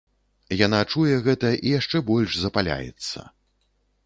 Яна чуе гэта і яшчэ больш запаляецца.